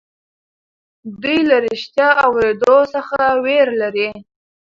دوی له رښتيا اورېدو څخه وېره لري.